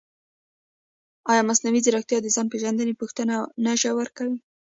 ایا مصنوعي ځیرکتیا د ځان پېژندنې پوښتنه نه ژوره کوي؟